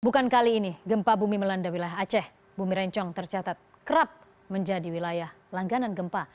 bukan kali ini gempa bumi melanda wilayah aceh bumi rencong tercatat kerap menjadi wilayah langganan gempa